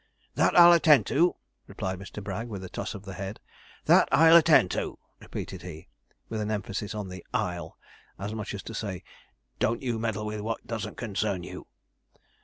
'That I'll attend to,' replied Mr. Bragg, with a toss of the head 'that I'll attend to,' repeated he, with an emphasis on the I'll, as much as to say, 'Don't you meddle with what doesn't concern you.'